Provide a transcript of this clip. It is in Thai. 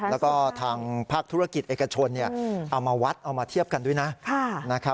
แล้วก็ทางภาคธุรกิจเอกชนเอามาวัดเอามาเทียบกันด้วยนะ